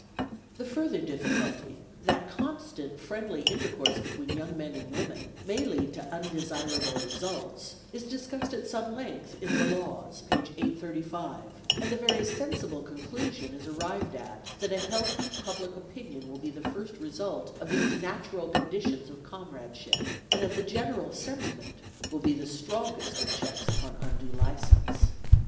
The further difficulty, that constant friendly inter course between young men and women may lead to undesirable results is discussed at some length in the Laws, p. 835, and the very sensible conclusion is PLATO 181 arrived at that a healthy public opinion will be the first result of these natural conditions of comrade ship, and that the general sentiment will be the strongest of checks upon undue licence.